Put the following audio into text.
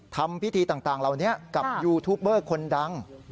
ทำพิธีต่างเหล่านี้กับยูทูปเบอร์คนดัง